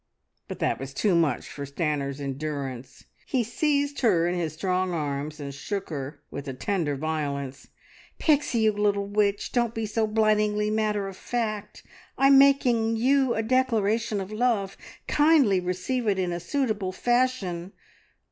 But that was too much for Stanor's endurance; he seized her in his strong arms and shook her with a tender violence. "Pixie, you little witch, don't be so blightingly matter of fact! I'm making you a declaration of love. Kindly receive it in a suitable fashion.